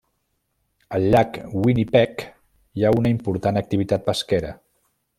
Al llac Winnipeg hi ha una important activitat pesquera.